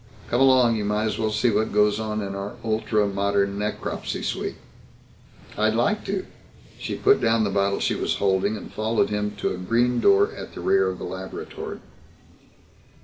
Come along. You might as well see what goes on in our ultra modern necropsy suite." "I'd like to." She put down the bottle she was holding and followed him to a green door at the rear of the laboratory.